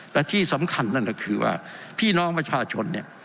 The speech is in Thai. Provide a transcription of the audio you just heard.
และที่สำคัญนั่นก็คือว่าพี่น้องประชาชนเนี่ย